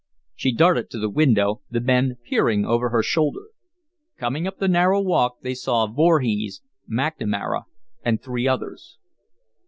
She darted to the window, the men peering over her shoulder. Coming up the narrow walk they saw Voorhees, McNamara, and three others.